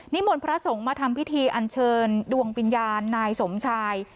มนต์พระสงฆ์มาทำพิธีอันเชิญดวงวิญญาณนายสมชาย